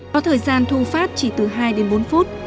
có thời gian thu phát chỉ từ hai đến bốn phút